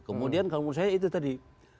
kemudian kalau menurut saya itu tadi